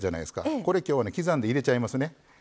これ、きょうは刻んで入れちゃいますね。